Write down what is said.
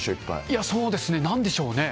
あそうですね、なんでしょうね。